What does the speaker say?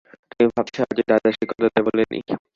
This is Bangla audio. তুমি ভাবছ আজও দাদা সে কথাটা ভোলে নি।